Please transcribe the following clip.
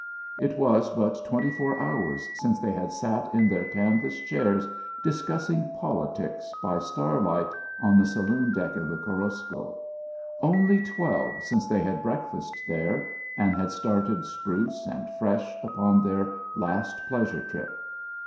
It was but twenty four hours since they had sat in their canvas chairs discussing politics by starlight on the saloon deck of the Korosko; only twelve since they had breakfasted there and had started spruce and fresh upon their last pleasure trip.